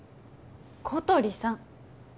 小鳥さん！